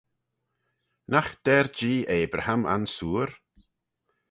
Nagh der Jee Abraham ansoor?